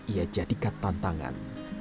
ia jadikan tantangan